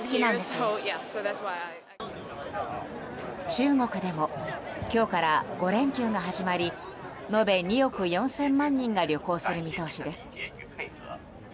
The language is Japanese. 中国でも今日から５連休が始まり延べ２億４０００万人が旅行する見通しです。